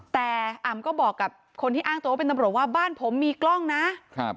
แต่อ่ำก็บอกกับคนที่อ้างตัวว่าเป็นตำรวจว่าบ้านผมมีกล้องนะครับ